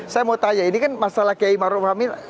saya mau tanya ini kan masalah kiai maruf amin